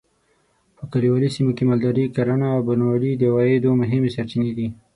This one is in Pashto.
په کلیوالي سیمو کې مالداري؛ کرهڼه او بڼوالي د عوایدو مهمې سرچینې دي.